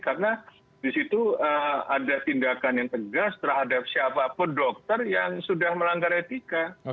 karena di situ ada tindakan yang tegas terhadap siapa apa dokter yang sudah melanggar etika